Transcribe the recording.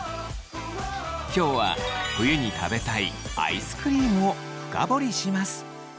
今日は冬に食べたいアイスクリームを深掘りします。